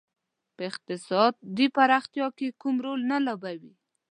په اقتصادي پرمختیا کې کوم رول نه لوبوي.